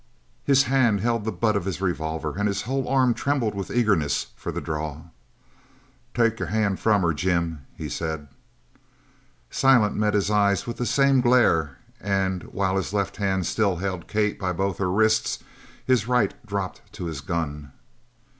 His hand held the butt of his revolver, and his whole arm trembled with eagerness for the draw. "Take your hand from her, Jim!" he said. Silent met his eye with the same glare and while his left hand still held Kate by both her wrists his right dropped to his gun.